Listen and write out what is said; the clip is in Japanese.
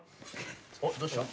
・どうした？